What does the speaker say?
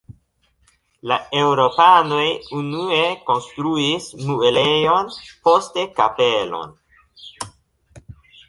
La eŭropanoj unue konstruis muelejon, poste kapelon.